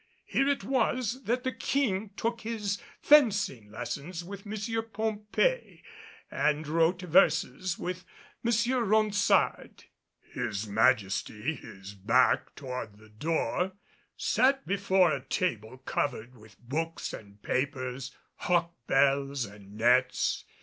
Here it was that the King took his fencing lessons with M. Pompée and wrote verses with M. Ronsard. His Majesty, his back toward the door, sat before a table covered with books and papers, hawk bells and nets.